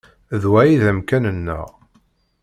D wa ay d amkan-nneɣ.